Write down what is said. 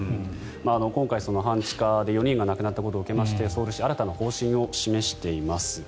今回半地下で４人が亡くなったことを受けてソウル市、新たな方針を示しています。